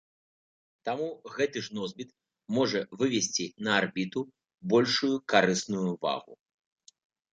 Таму гэты ж носьбіт можа вывесці на арбіту большую карысную вагу.